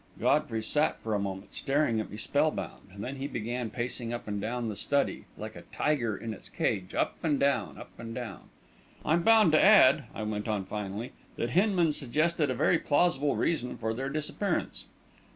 Godfrey sat for a moment, staring at me spell bound. Then he began pacing up and down the study, like a tiger in its cage; up and down, up and down. "I'm bound to add," I went on finally, "that Hinman suggested a very plausible reason for their disappearance."